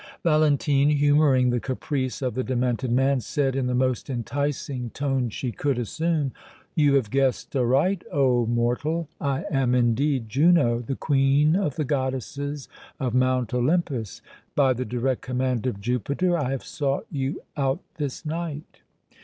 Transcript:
Valentine, humoring the caprice of the demented man, said, in the most enticing tone she could assume: "You have guessed aright, oh! mortal! I am, indeed, Juno, the Queen of the goddesses of Mount Olympus! By the direct command of Jupiter I have sought you out this night!"